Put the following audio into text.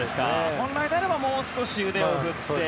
本来であればもう少し腕を振って。